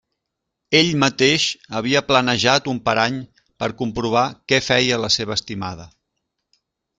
Ell mateix havia planejat un parany per comprovar què feia la seva estimada.